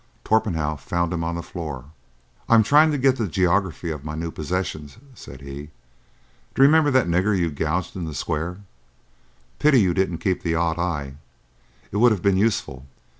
Torpenhow found him on the floor. "I'm trying to get the geography of my new possessions," said he. "D'you remember that nigger you gouged in the square? Pity you didn't keep the odd eye. It would have been useful.